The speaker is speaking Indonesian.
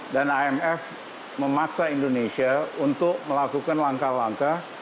dan imf memaksa indonesia untuk melakukan langkah langkah